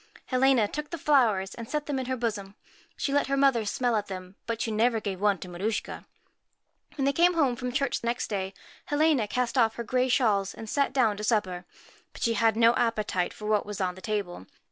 Helena took the flowers, and set them in her bosom. She let her mother smell at them, but she never gave one to Maruschka. When they came home from church next day, Helena cast off her gay shawls, and sat down to supper. But she had no appetite for what was on the table.